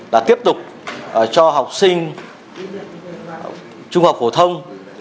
là tiếp tục cho học sinh trung học phổ thông